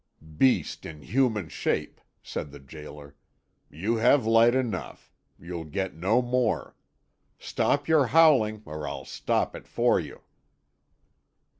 "Beast in human shape," said the gaoler; "you have light enough. You'll get no more. Stop your howling, or I'll stop it for you!"